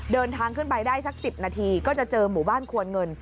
เดินทางขึ้นไปได้สัก๑๐นาทีก็จะเจอหมู่บ้านควรเงิน